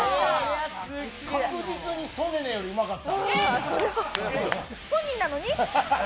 確実に曽根のよりうまかった。